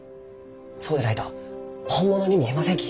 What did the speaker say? そうでないと本物に見えませんき。